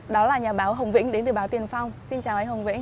đó là nhà báo hồng vĩnh đến từ báo tiền phong xin chào anh hồng vĩnh